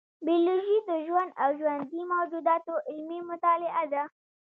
بیولوژي د ژوند او ژوندي موجوداتو علمي مطالعه ده